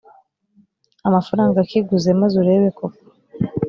amafaranga akiguze maze urebe koko